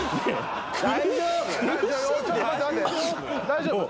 大丈夫？